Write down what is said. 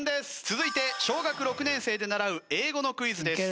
続いて小学６年生で習う英語のクイズです。